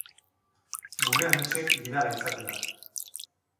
Gure ametsek gida gaitzatela.